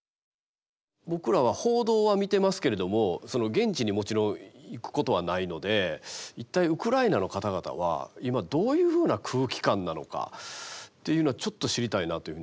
僕らは報道は見てますけれども現地にもちろん行くことはないので一体ウクライナの方々は今どういうふうな空気感なのかっていうのはちょっと知りたいなというふうに思いますけど。